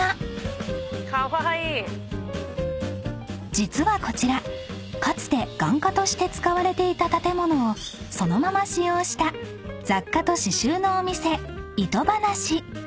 ［実はこちらかつて眼科として使われていた建物をそのまま使用した雑貨と刺しゅうのお店］